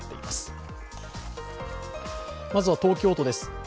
まずは東京都です。